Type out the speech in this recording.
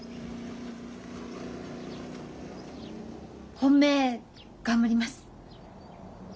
本命頑張ります。